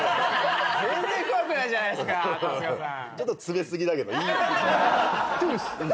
全然怖くないじゃないですか春日さん。